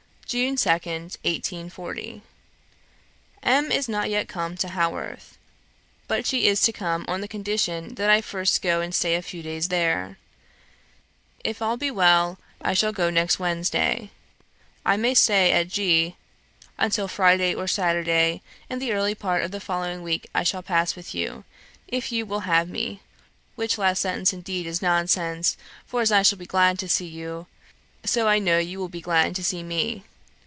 "June 2nd, 1840. "M. is not yet come to Haworth; but she is to come on the condition that I first go and stay a few days there. If all be well, I shall go next Wednesday. I may stay at G until Friday or Saturday, and the early part of the following week I shall pass with you, if you will have me which last sentence indeed is nonsense, for as I shall be glad to see you, so I know you will be glad to see me.